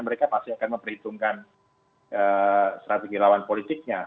mereka pasti akan memperhitungkan strategi lawan politiknya